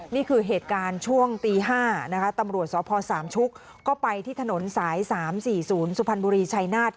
นี่คือเหตุการณ์ช่วงตี๕นะคะตำรวจสพสามชุกก็ไปที่ถนนสาย๓๔๐สุพรรณบุรีชัยนาธิ